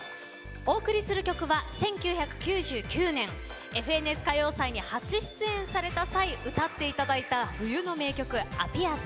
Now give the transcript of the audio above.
お送りする曲は１９９９年「ＦＮＳ歌謡祭」に初出演された際歌っていただいた冬の名曲「ａｐｐｅａｒｓ」